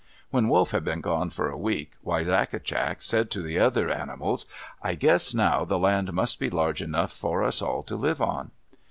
When Wolf had been gone for a week, Wisagatcak said to the other animals, "I guess now the land must be large enough for us all to live on."